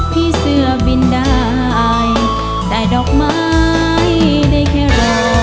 พี่เสื้อบินได้แต่ดอกไม้ได้แค่รอ